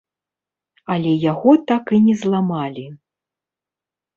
Але яго так і не зламалі.